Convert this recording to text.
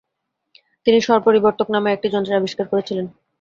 তিনি স্বর পরিবর্তক নামের একটি যন্ত্রের আবিষ্কার করেছিলেন।